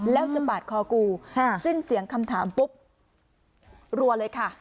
แล้วจะปาดคอกูสิ้นเสียงคำถามปุ๊บรัวเลยค่ะ